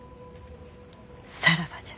さらばじゃ。